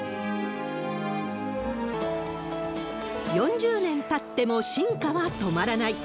４０年たっても進化は止まらない。